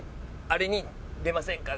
「あれに出ませんか？